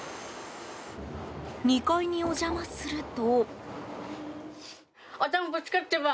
２階にお邪魔すると。